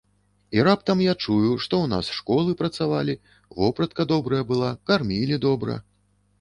І раптам я чую, што ў нас школы працавалі, вопратка добрая была, кармілі добра.